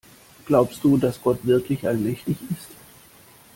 Glaubst du, dass Gott wirklich allmächtig ist?